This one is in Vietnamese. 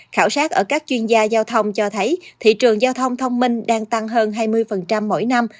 khảo sát ở các chuyên gia giao thông cho thấy thị trường giao thông thông minh đang tăng hơn hai mươi mỗi năm